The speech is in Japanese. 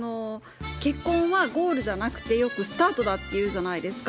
結婚はゴールじゃなくて、よくスタートだっていうじゃないですか。